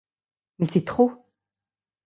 Mais c’est trop !